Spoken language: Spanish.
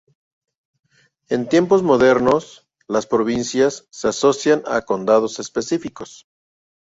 En tiempos modernos, las provincias se asocian a condados específicos.